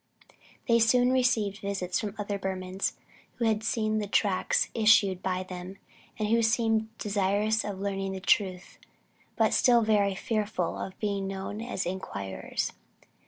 They soon received visits from other Burmans who had seen the tracts issued by them; and who seemed desirous of learning the truth, but still very fearful of being known as inquirers.